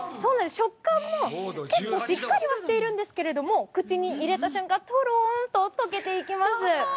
食感も、結構しっかりはしているんですけれども、口に入れた瞬間とろんととけていきます。